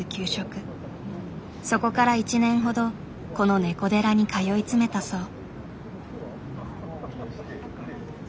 そこから１年ほどこのねこ寺に通い詰めたそう。